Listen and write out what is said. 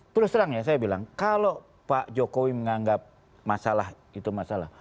terus terang ya saya bilang kalau pak jokowi menganggap masalah itu masalah